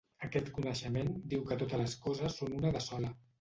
Aquest coneixement diu que totes les coses són una de sola.